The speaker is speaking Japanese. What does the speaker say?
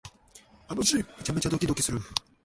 あのシーン、めっちゃドキドキする